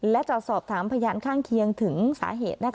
และจะสอบถามพยานข้างเคียงถึงสาเหตุ